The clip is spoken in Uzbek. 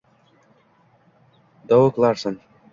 Doug Larson